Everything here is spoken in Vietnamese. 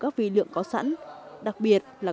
các vị lượng có sẵn đặc biệt là